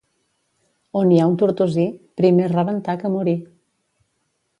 On hi ha un tortosí, primer rebentar que morir.